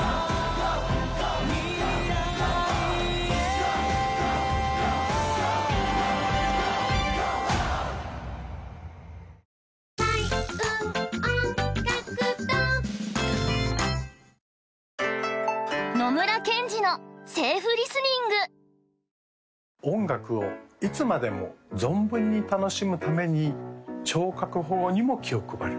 未来へ音楽をいつまでも存分に楽しむために聴覚法にも気を配る